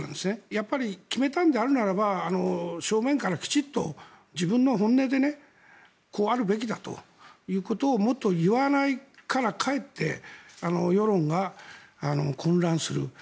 やっぱり決めたのであるならば正面からきちんと自分の本音でこうあるべきだということをもっと言わないからかえって世論が混乱する。